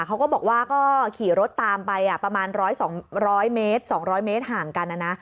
เขาก็บอกว่าก็ขี่รถตามไปอ่ะประมาณร้อยสองร้อยเมตรสองร้อยเมตรห่างกันน่ะนะ